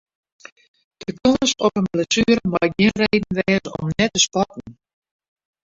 De kâns op in blessuere mei gjin reden wêze om net te sporten.